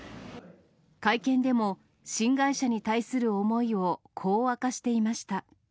会見でも、新会社に対する思いをこう明かしていました。